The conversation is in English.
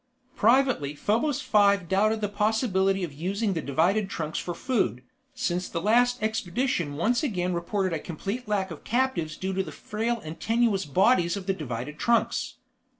Privately Probos Five doubted the possibility of using the divided trunks for food, since the last expedition once again reported a complete lack of captives due to the frail and tenuous bodies of the divided trunks.